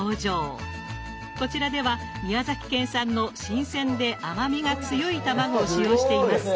こちらでは宮崎県産の新鮮で甘みが強い卵を使用しています。